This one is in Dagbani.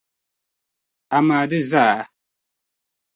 amaa di zaa?